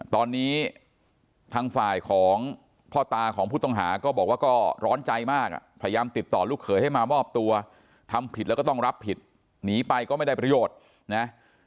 ตอนนี้ทางฝ่ายของพ่อตาของผู้ต้องหาก็บอกว่าก็ร้อนใจมากอ่ะพยายามติดต่อลูกเขยให้มามอบตัวทำผิดแล้วก็ต้องรับผิดหนีไปก็ไม่ได้ประโยชน์นะ